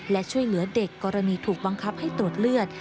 และช่วยเหลือเด็กกรณีถูกบังคับให้ตรวจเลือด